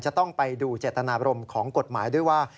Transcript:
จะต้องไปดูเจตนาบรมของกฎหมายด้วยว่า